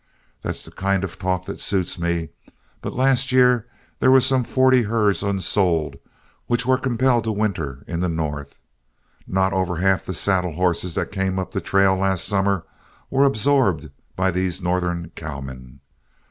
That's the kind of talk that suits me, but last year there were some forty herds unsold, which were compelled to winter in the North. Not over half the saddle horses that came up the trail last summer were absorbed by these Northern cowmen.